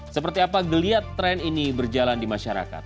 seperti apa geliat tren ini berjalan di masyarakat